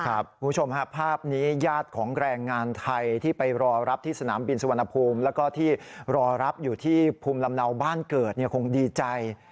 คุณผู้ชมฮะภาพมันเนี้ยยาตัยของแรงงานไทยจะไปรอรับที่สนามบินจนกรมแล้วก็ที่รอรับอยู่ที่ภูมิลำเนาบ้านเกิดเนี่ยคงดีใจ